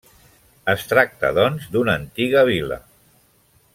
Es tracta, doncs, d'una antiga vila.